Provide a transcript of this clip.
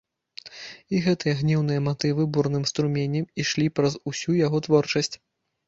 І гэтыя гнеўныя матывы бурным струменем ішлі праз усю яго творчасць.